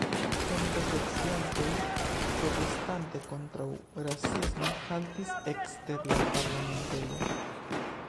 Manifestaciantoj, protestante kontraŭ rasismo, haltis ekster la parlamentejo.